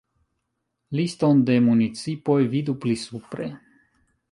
Liston de municipoj vidu pli supre.